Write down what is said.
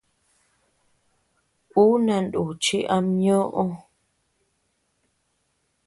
Uu nanuuchi ama ñoʼö.